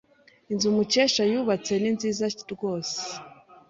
Inzu Mukesha yubatse ni nziza rwose.